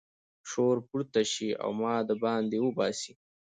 شور پورته شي او ما د باندې وباسي.